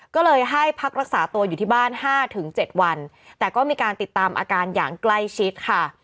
ก็เลยให้พักรักษาตัวอยู่ที่บ้าน๕๗วันแต่ก็มีการติดตามอาการอย่างใกล้ชิดค่ะ